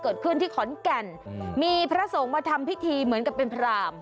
เกิดขึ้นที่ขอนแก่นมีพระสงฆ์มาทำพิธีเหมือนกับเป็นพราม